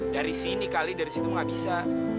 dari sini kali dari situ nggak bisa